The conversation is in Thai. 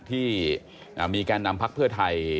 มีการนำพักเพื่อไทย